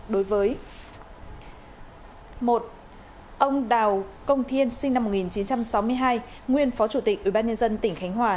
đối với một ông đào công thiên sinh năm một nghìn chín trăm sáu mươi hai nguyên phó chủ tịch ủy ban nhân dân tp khánh hòa